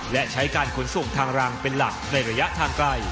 และใช้การขนส่งทางรังเป็นหลักในระยะทางไกล